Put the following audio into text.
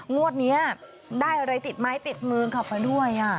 งวดนี้ได้อะไรติดไม้ติดมือขับมาด้วย